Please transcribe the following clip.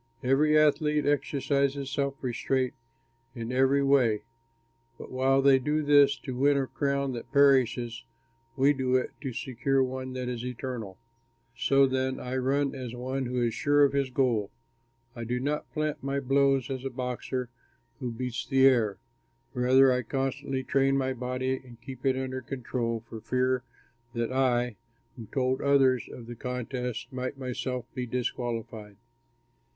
Every athlete exercises self restraint in every way; but while they do this to win a crown that perishes, we do it to secure one that is eternal. So then I run as one who is sure of his goal. I do not plant my blows as a boxer who beats the air; rather I constantly train my body and keep it under control for fear that I, who told others of the contest, might myself be disqualified.